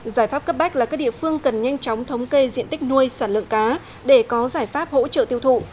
giải pháp cấp bách là các địa phương cần nhanh chóng thống kê diện tích nuôi sản lượng cá để có giải pháp hỗ trợ tiêu thụ